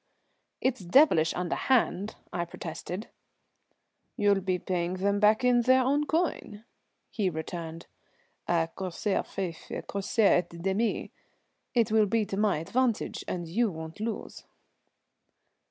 "It's devilish underhand," I protested. "You'll be paying them back in their own coin," he returned. "A corsaire fieffé corsaire et demi. It will be to my advantage, and you won't lose."